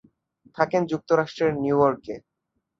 থাকেন যুক্তরাষ্ট্রের নিউইয়র্কে।